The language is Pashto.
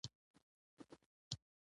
د پیر ځواک کمیږي.